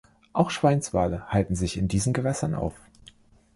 Auch Schweinswale halten sich in diesen Gewässern auf.